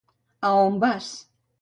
A on vas?